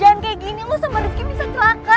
jangan kayak gini lu sama rufkin bisa celaka